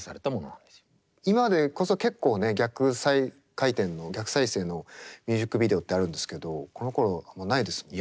今でこそ結構ね逆回転の逆再生のミュージックビデオってあるんですけどこのころあんまないですよね。